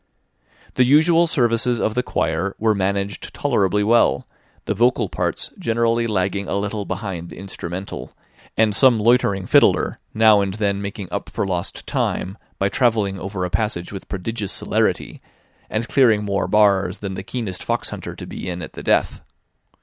The usual services of the choir were managed tolerably well, the vocal parts generally lagging a little behind the instrumental, and some loitering fiddler now and then making up for lost time by travelling over a passage with prodigious celerity, and clearing more bars than the keenest fox hunter to be in at the death.